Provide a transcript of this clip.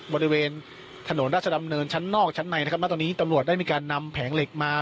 บริเวณถนนราชดำเนินชั้นนอกชั้นในนะครับณตอนนี้ตำรวจได้มีการนำแผงเหล็กมา